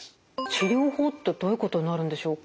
治療法ってどういうことになるんでしょうか？